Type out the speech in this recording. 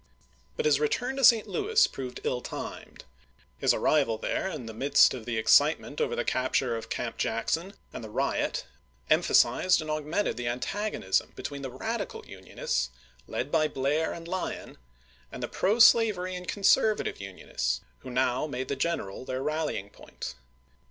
But his return to St. Louis proved ill timed. His Mayii.isei. arrival there in the midst of the excitement over the capture of Camp Jackson and the riot empha sized and augmented the antagonism between the radical Unionists, led by Blair and Lyon, and the pro slavery and conservative Unionists, who now 216 ABRAHAM LINCOLN Chap. XL made the general their rallying point.